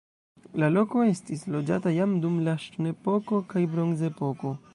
La loko estis loĝata jam dum la ŝtonepoko kaj bronzepoko.